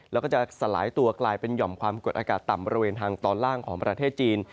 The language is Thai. แล้วก็จะสลายตัวกลายเป็นหย่อมความกดอากาศต่ำบริเวณทางตอนล่างของประเทศจีน